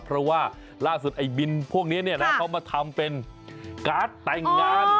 เพราะว่าล่าสุดไอ้บินพวกนี้เขามาทำเป็นการ์ดแต่งงาน